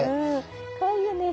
かわいいよね。